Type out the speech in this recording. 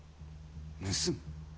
盗む？